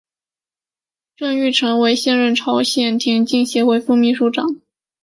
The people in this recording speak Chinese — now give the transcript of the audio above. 郑成玉现任朝鲜田径协会副秘书长。